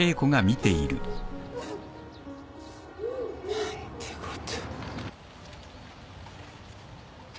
何てこと。